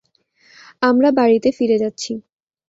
আমরা বাড়িতে ফিরে যাচ্ছি।